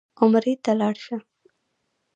عمرې ته لاړ شه.